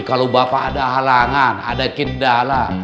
kalau bapak ada halangan ada kendala